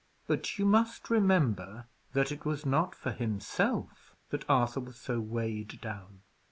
But you must remember that it was not for himself that Arthur was so weighed down.